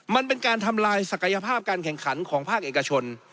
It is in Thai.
มันเป็นการทำลายศักยภาพการแข่งขันของภาคเอกชน